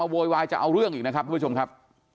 โวยาจะเอาเรื่องอีกนะครับเพื่อนผู้ชมครับ